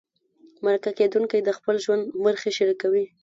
مرکه کېدونکی د خپل ژوند برخې شریکوي.